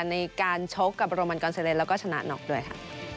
ในการชกกับโรมันกอนเซเลนแล้วก็ชนะน็อกด้วยค่ะ